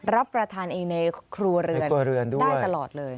รับประทานเองในครัวเรือนได้ตลอดเลย